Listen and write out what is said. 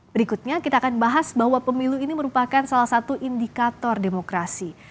berikutnya kita akan bahas bahwa pemilu ini merupakan salah satu indikator demokrasi